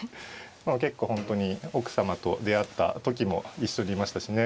結構本当に奥様と出会った時も一緒にいましたしね。